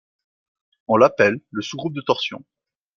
On l'appelle le sous-groupe de torsion.